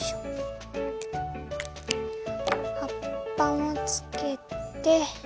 葉っぱをつけて。